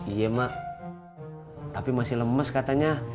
iya mak tapi masih lemes katanya